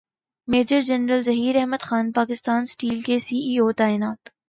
major general Zaheer Ahmed Khan Pakistan steel کے C E O تعینات